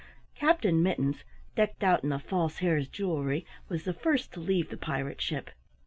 Captain Mittens, decked out in the False Hare's jewelry, was the first to leave the pirate ship.